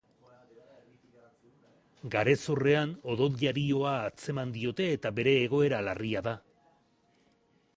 Garezurrean odoljarioa antzeman diote eta bere egoera larria da.